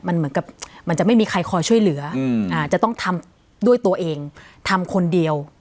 มันเหมือนกับมันจะไม่มีใครคอยช่วยเหลือจะต้องทำด้วยตัวเองทำคนเดียว